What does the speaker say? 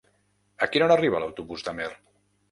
A quina hora arriba l'autobús d'Amer?